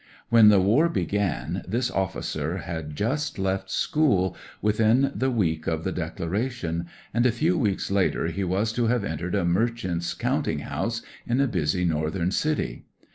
When the war began this officer had just left school — ^within the week of the declaration — ^and a few weeks later he was to have entered a merchant's counting house in a busy northern city.